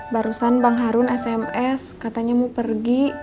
barusan bang harun sms katanya mau pergi